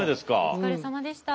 お疲れさまでした。